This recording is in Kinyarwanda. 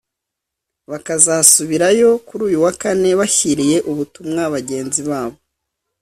bakazasubirayo kuri uyu wa Kane bashyiriye ubutumwa bagenzi babo